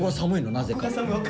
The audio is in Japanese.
なぜか。